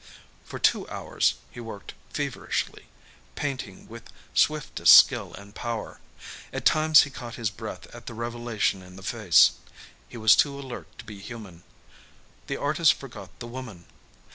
For two hours he worked feverishly, painting with swiftest skill and power. At times he caught his breath at the revelation in the face. He was too alert to be human. The artist forgot the woman.